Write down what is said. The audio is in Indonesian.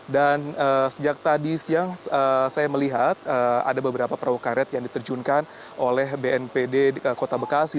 dan sejak tadi siang saya melihat ada beberapa perawak karet yang diterjunkan oleh bnpd kota bekasi